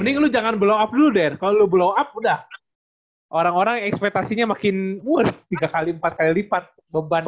mending lu jangan blow up dulu dery kalau lu blow up udah orang orang ekspetasinya makin wah tiga kali empat kali lipat beban